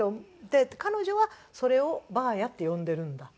で彼女はそれを「ばあや」って呼んでるんだ？